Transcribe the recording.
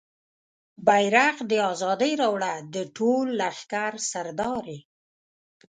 بیرغ د ازادۍ راوړه د ټول لښکر سردارې